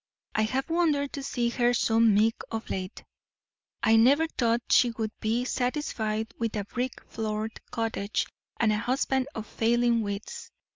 I have wondered to see her so meek of late. I never thought she would be satisfied with a brick floored cottage and a husband of failing wits.